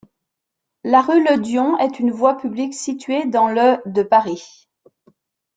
La rue Ledion est une voie publique située dans le de Paris.